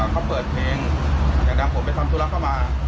เขาเปิดเพลงดังผมไปทำธุระเข้ามา